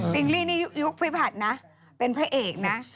ติ๊งลี่นี่ยุคภัยผัดนะเป็นพระเอกนะ